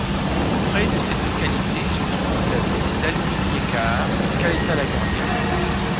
Près de cette localité se trouvent la ville d'Almuñécar et Caleta-La Guardia.